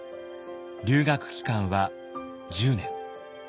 留学期間は１０年。